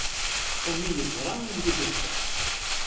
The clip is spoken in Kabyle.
Sami yeẓra anda i tezdeɣ.